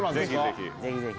ぜひぜひ。